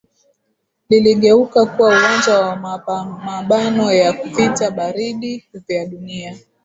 liligeuka kuwa uwanja wa mapamabano ya vita baridi vya dunia